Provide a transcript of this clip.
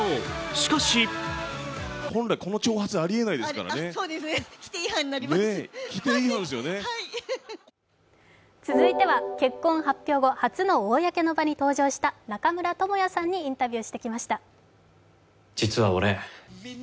しかし続いては結婚発表後初の公の場に登場した中村倫也さんにインタビューしてきました。